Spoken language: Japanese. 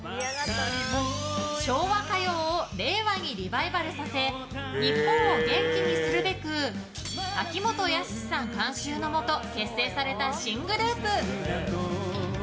昭和歌謡を令和にリバイバルさせ日本を元気にするべく秋元康さん監修のもと結成された新グループ。